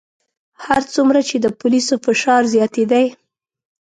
هر څومره چې د پولیسو فشار زیاتېدی.